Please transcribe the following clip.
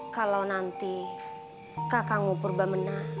kalau nanti kakakmu pura pura menang